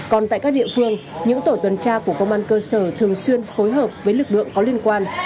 còn tại các địa phương những tổ tuần tra của công an cơ sở thường xuyên phối hợp với lực lượng có liên quan